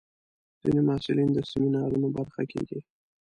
ځینې محصلین د سیمینارونو برخه کېږي.